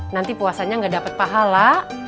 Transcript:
nanti puasanya gak dapat pahala